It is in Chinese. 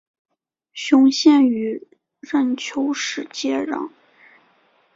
雄县与任丘市接壤。